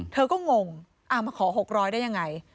เธอก็งงอะมาขอหกร้อยได้ยังไง